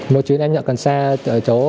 một chuyến em nhận cần xa ở chỗ